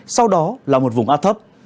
sau đó là một vùng áp thấp